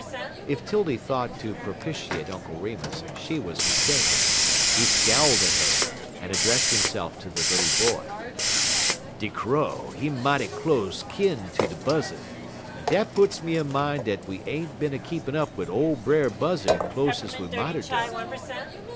If 'Tildy thought to propitiate Uncle Remus, she was mistaken. He scowled at her, and addressed himself to the little boy: "De Crow, he mighty close kin ter de Buzzud, en dat puts me in min' dat we ain't bin a keepin' up wid ole Brer Buzzud close ez we might er done.